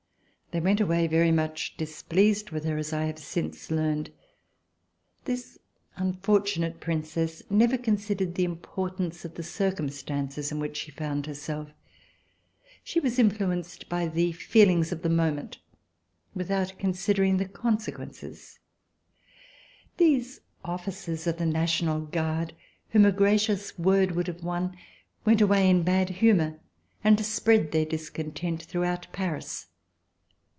They went away very much displeased with her, as I have since learned. This unfortunate Princess never considered the importance of the cir cumstances in which she found herself. She was in fluenced by the feelings of the moment, without con sidering the consequences. These ofllicers of the National Guard, whom a gracious word would have won, went away in bad humor and spread their discontent throughout Paris.